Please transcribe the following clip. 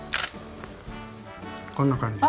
こんな感じ？